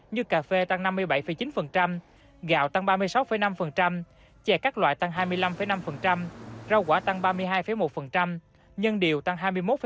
như cà phê tăng năm mươi bảy chín gạo tăng ba mươi sáu năm chè các loại tăng hai mươi năm năm rau quả tăng ba mươi hai một nhân điều tăng hai mươi một năm